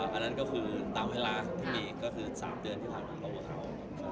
อันนั้นก็คือตามเวลาเรื่องพวกเขา